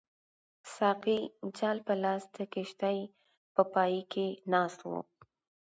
ساقي جال په لاس د کښتۍ په پای کې ناست وو.